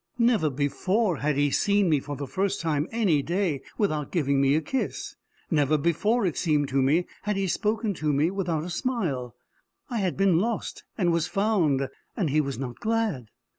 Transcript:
Never before had he seen me for the first time any day, without giving me a kiss; never before, it seemed to me, had he spoken to me without a smile: I had been lost and was found, and he was not glad!